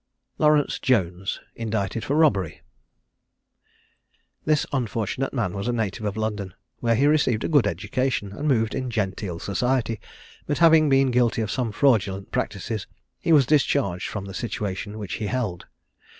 LAURENCE JONES, INDICTED FOR ROBBERY. This unfortunate man was a native of London, where he received a good education, and moved in genteel society, but having been guilty of some fraudulent practices, he was discharged from the situation which he held.